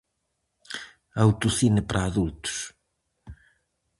Autocine para adultos.